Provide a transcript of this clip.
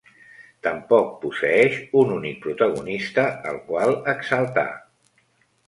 Tampoc posseeix un únic protagonista el qual exaltar.